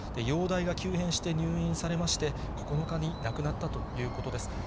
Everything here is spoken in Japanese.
容体が急変して入院されまして、９日に亡くなったということです。